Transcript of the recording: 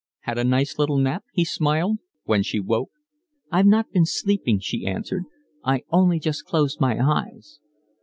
"Had a nice little nap?" he smiled, when she woke. "I've not been sleeping," she answered. "I only just closed my eyes."